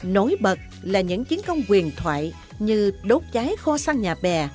nối bật là những chiến công huyền thoại như đốt cháy kho xăng nhà bè